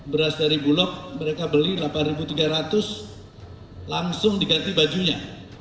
beras dari bulog mereka beli rp delapan tiga ratus langsung diganti bajunya